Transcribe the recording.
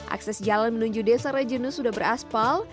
akses jalan menuju desa rejenu sudah beraspal